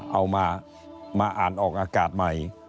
เอามาอ่านออกอากาศใหม่